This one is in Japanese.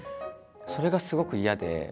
それがすごく嫌で。